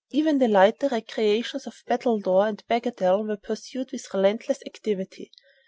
Even the lighter recreations of battledore and bagatelle were pursued with relentless activity.